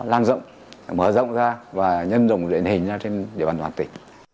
lan rộng mở rộng ra và nhân dùng điện hình ra trên đề bàn hoàng tỉnh